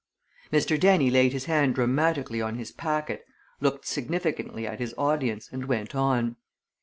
Mr. Dennie laid his hand dramatically on his packet, looked significantly at his audience, and went on.